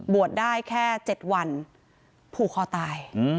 บวชได้แค่๗วันผูขอตาย